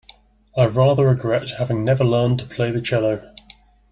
I rather regret never having learned to play the cello.